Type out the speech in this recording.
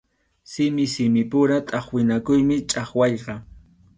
Simi simipura tʼaqwinakuymi chʼaqwayqa.